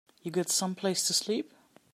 You got someplace to sleep?